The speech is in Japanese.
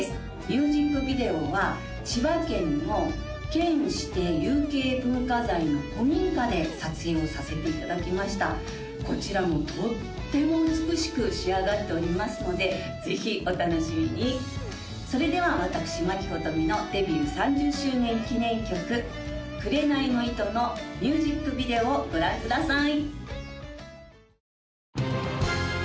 ミュージックビデオは千葉県の県指定有形文化財の古民家で撮影をさせていただきましたこちらもとっても美しく仕上がっておりますのでぜひお楽しみにそれでは私真木ことみのデビュー３０周年記念曲「くれないの糸」のミュージックビデオをご覧ください